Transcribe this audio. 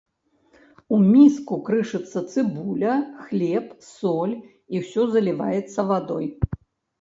У міску крышыцца цыбуля, хлеб, соль і ўсё заліваецца вадой.